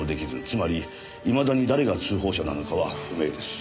つまりいまだに誰が通報者なのかは不明です。